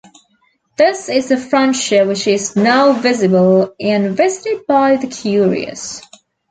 This is the frontier which is now visible and visited by the curious.